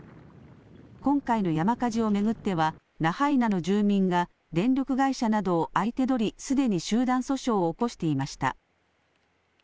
今回の山火事を巡ってはラハイナの住民が電力会社などを相手取り、すでに集団訴訟を起こしていました。